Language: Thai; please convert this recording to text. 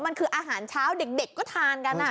มันคืออาหารเช้าเด็กก็ทานกัน